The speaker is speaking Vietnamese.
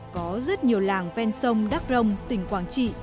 có rất nhiều làng ven sông đắc rồng tỉnh quảng trị